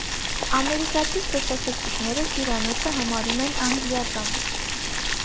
Ամերիկացի զբոսաշրջիկները հյուրանոցը համարում են անգլիական։